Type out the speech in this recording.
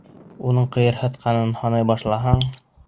Уның ҡыйырһытҡанын һанай башлаһаң...